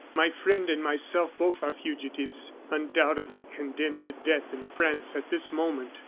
My friend and myself both are fugitives, undoubtedly condemned to death in France at this moment."